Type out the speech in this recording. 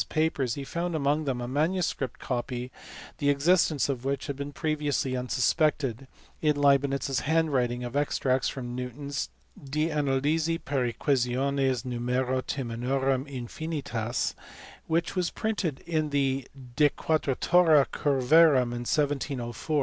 Gerhardt* examined Leibnitz s papers he found among them a manuscript copy, the existence of which had been previously unsuspected, in Leibnitz s handwriting of extracts from Newton s De Analysi per Equationes Numero Terminorum Infinitas (which was printed in the De Quadratura Curvarum in 1704, see above, p.